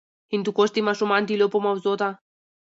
هندوکش د ماشومانو د لوبو موضوع ده.